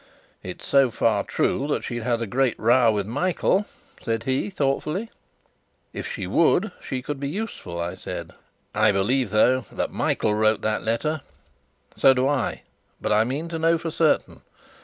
"It's so far true that she's had a great row with Michael," said he, thoughtfully. "If she would, she could be useful," I said. "I believe, though, that Michael wrote that letter." "So do I, but I mean to know for certain.